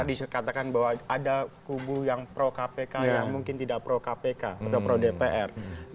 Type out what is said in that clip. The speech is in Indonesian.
dikatakan bahwa ada kubu yang pro kpk yang mungkin tidak pro kpk atau pro dpr